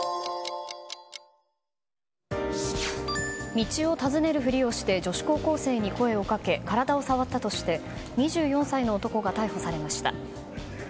道を尋ねるふりをして女子高校生に声をかけ体を触ったとして２４歳の男が逮捕されました。